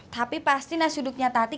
tapi pasti nasi uduknya tati